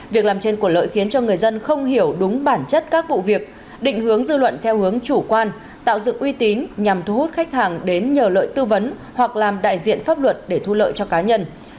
việc làm trên của lợi khiến cho người dân không hiểu đúng bản chất các vụ việc định hướng dư luận theo hướng chủ quan tạo dựng uy tín nhằm thu hút khách hàng đến nhờ lợi tư vấn hoặc làm đại diện pháp luật để thu lợi cho cá nhân